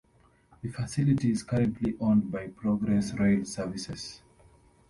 The facility is currently owned by Progress Rail Services.